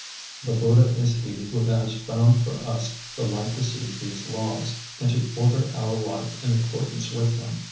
The Buddha is he who has found for us the light to see these laws, and to order our life in accordance with them.